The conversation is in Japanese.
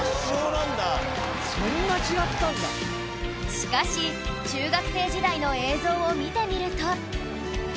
しかし中学生時代の映像を見てみると